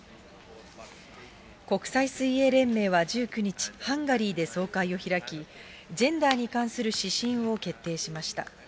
国際水泳連盟は１９日、ハンガリーで総会を開き、ジェンダーに関する指針を決定しました。